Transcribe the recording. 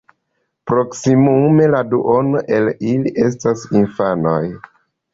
Proksimume la duono el ili estas infanoj.